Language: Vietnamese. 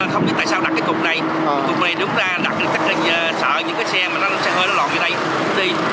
không biết tại sao đặt cái cục này cục này đúng ra đặt sợ những cái xe xe hơi nó lọt vô đây nó đi